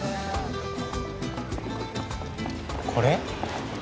これ？